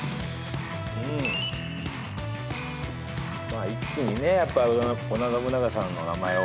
まあ一気にねやっぱ織田信長さんの名前を。